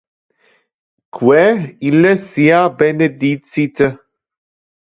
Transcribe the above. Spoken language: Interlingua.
Que illes sia benedicite.